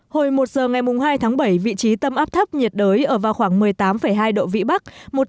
hồi một giờ ngày hai tháng bảy vị trí tâm áp thấp nhiệt đới ở vào khoảng một mươi tám hai độ vĩ bắc